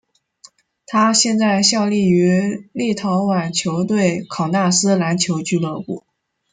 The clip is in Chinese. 他现在效力于立陶宛球队考纳斯篮球俱乐部。